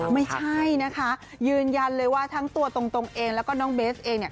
ไม่ใช่นะคะยืนยันเลยว่าทั้งตัวตรงเองแล้วก็น้องเบสเองเนี่ย